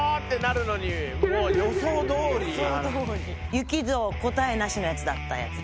雪の答えなしのやつだったやつだ。